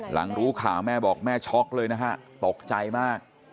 หลังรู้ข่าวแม่บอกแม่ช็อกเลยนะฮะตกใจมาก